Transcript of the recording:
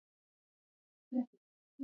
د افغانستان جغرافیه کې سیندونه ستر اهمیت لري.